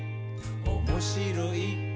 「おもしろい？